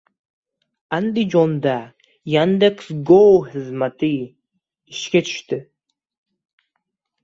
Andijonda “Yandex Go” taksi xizmati ishga tushdi